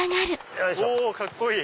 おカッコいい！